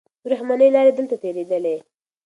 وریښمینې لارې دلته تېرېدلې.